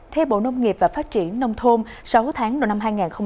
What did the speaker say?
theo bộ nông nghiệp và phát triển nông thôn sáu tháng đầu năm hai nghìn hai mươi